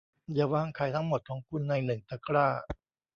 อย่าวางไข่ทั้งหมดของคุณในหนึ่งตะกร้า